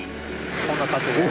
こんな感じで。